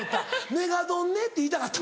「メガドンね」って言いたかった。